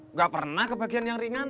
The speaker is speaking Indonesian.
nggak pernah kebagian yang ringan